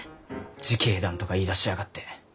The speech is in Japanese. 「自警団」とか言いだしやがって。